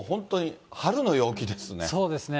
そうですね。